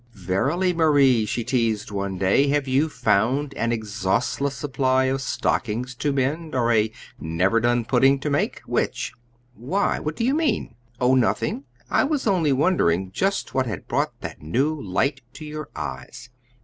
"Verily, Marie," she teased one day, "have you found an exhaustless supply of stockings to mend, or a never done pudding to make which?" "Why? What do you mean?" "Oh, nothing. I was only wondering just what had brought that new light to your eyes."